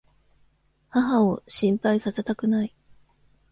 母を心配させたくない。